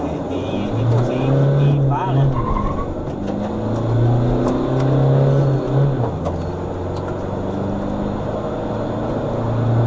นี่ตีนี่ตีตีฟ้าแล้ว